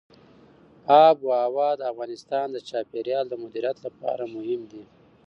آب وهوا د افغانستان د چاپیریال د مدیریت لپاره مهم دي.